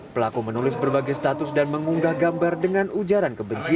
pelaku menulis berbagai status dan mengunggah gambar dengan ujaran kebencian